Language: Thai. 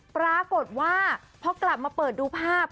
ปรากฏว่าพอกลับมาเปิดดูภาพ